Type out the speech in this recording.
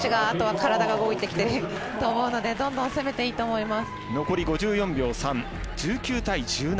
体が動いてきているのでどんどん攻めていいと思います。